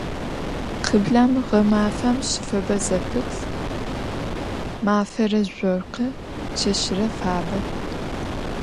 Khıblem ğemafem şıfebe zepıt, mafere zjorkhı, çeşıre fabe.